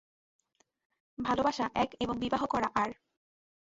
ভালোবাসা এক এবং বিবাহ করা আর।